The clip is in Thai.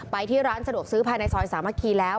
ไปที่ร้านสะดวกซื้อภายในซอยสามัคคีแล้ว